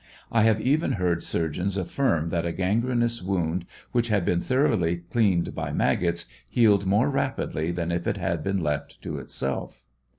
I have even heard surgeons affirm that a gangrenous wound which had been thoroughly cleansed by maggots, healed more rapidly than if it had been left to itself.